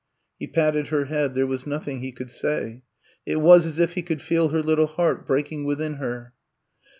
He patted her head; there was nothing he could say. It was as if he could feel her little heart breaking within her.